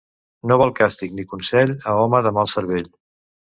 No val càstig ni consell a home de mal cervell.